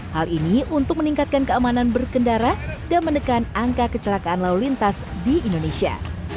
hal ini untuk meningkatkan keamanan berkendara dan menekan angka kecelakaan lalu lintas di indonesia